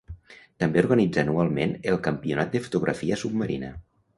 També organitza anualment el Campionat de fotografia submarina.